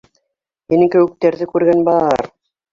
Һинең кеүектәрҙе күргән бар.